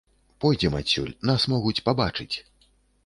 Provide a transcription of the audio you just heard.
Пойдзем адсюль, нас могуць пабачыць.